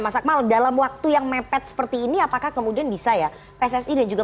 mas akmal dalam waktu yang mepet seperti ini apakah kemudian bisa ya pssi dan juga